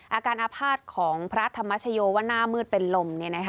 อาการอาภาษณ์ของพระธรรมชโยว่าหน้ามืดเป็นลม